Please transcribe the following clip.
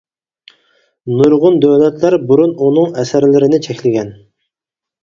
نۇرغۇن دۆلەتلەر بۇرۇن ئۇنىڭ ئەسەرلىرىنى چەكلىگەن.